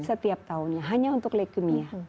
setiap tahunnya hanya untuk leukemia